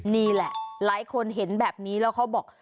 นี่แหละหลายคนเห็นแบบนี้แล้วเขาบอก